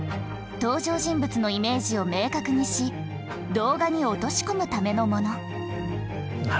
登場人物のイメージを明確にし動画に落とし込むためのもの。